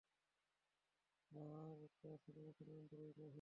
আর তা ছিল মুসলমানদেরই প্রভাব।